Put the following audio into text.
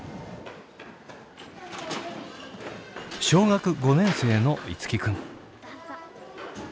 小学５年生の樹君。